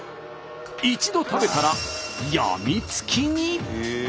一度食べたら病みつきに。